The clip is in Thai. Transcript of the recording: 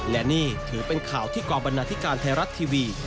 และนี่ถือเป็นข่าวที่กองบรรณาธิการไทยรัฐทีวี